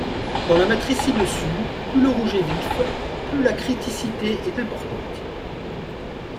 Dans la matrice ci-dessus, plus le rouge est vif, plus la criticité est importante.